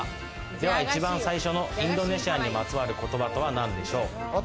では、一番最初のインドネシアにまつわる言葉とは何でしょう？